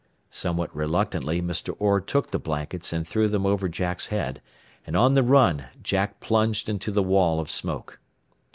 Somewhat reluctantly Mr. Orr took the blankets and threw them over Jack's head, and on the run Jack plunged into the wall of smoke.